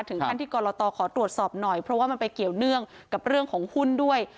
ถึงขั้นที่กรตขอตรวจสอบหน่อยเพราะว่ามันไปเกี่ยวเนื่องกับเรื่องของหุ้นด้วย